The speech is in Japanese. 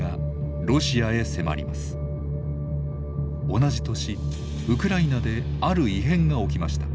同じ年ウクライナである異変が起きました。